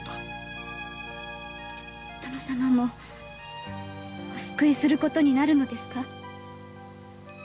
殿様もお救いすることになるのですか？